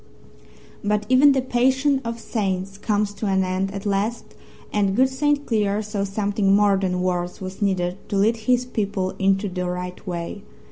But even the patience of saints comes to an end at last, and good St. Cleer saw something more than words was needed to lead his people into the right way.